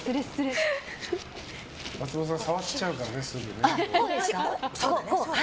松本さん、触っちゃうからね。